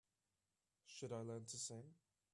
Should I learn to sing?